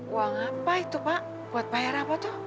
uang apa itu pak buat bayar apa tuh